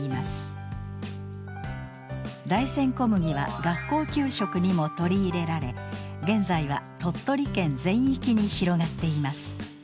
大山こむぎは学校給食にも取り入れられ現在は鳥取県全域に広がっています。